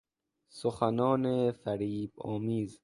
سخنان فریبآمیز